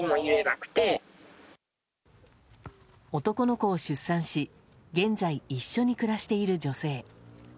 男の子を出産し現在一緒に暮らしている女性。